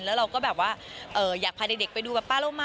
แล้วเราก็แบบว่าอยากพาเด็กไปดูแบบป้าโลมา